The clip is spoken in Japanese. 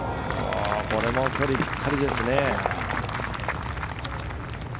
これも距離ぴったりですね。